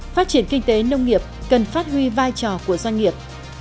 phát triển kinh tế nông nghiệp cần phát huy vai trò của doanh nghiệp